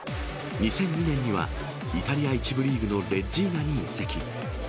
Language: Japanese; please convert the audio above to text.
２００２年には、イタリア１部リーグのレッジーナに移籍。